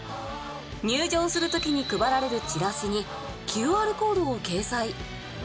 入場する時に配られるチラシにＱＲコードを掲載。